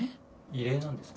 異例なんですか？